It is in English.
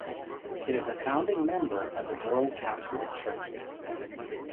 It is a founding member of the World Council of Churches.